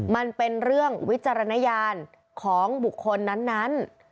มันเป็นเรื่องวิจารณญาณของบุคคลนั้น